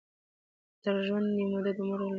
تر ژوندیو مو د مړو لوی قوت دی